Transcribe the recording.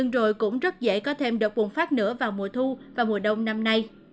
rồi cũng rất dễ có thêm đợt bùng phát nữa vào mùa thu và mùa đông năm nay